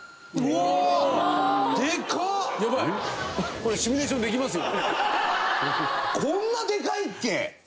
これシミュレーションできますよ。